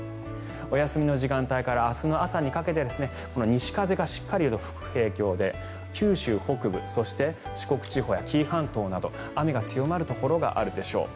お休みの時間帯から明日の朝にかけて西から風がしっかり吹く影響で九州北部そして四国地方や紀伊半島など雨が強まるところがあるでしょう。